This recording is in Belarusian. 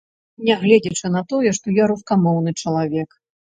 Нягледзячы на тое, што я рускамоўны чалавек.